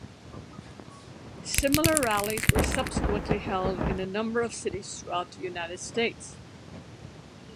Similar rallies were subsequently held in a number of cities throughout the United States.